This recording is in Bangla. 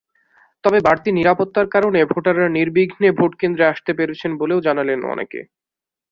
তবে বাড়তি নিরাপত্তার কারণে ভোটাররা নির্বিঘ্নে ভোটকেন্দ্রে আসতে পেরেছেন বলেও জানালেন অনেকে।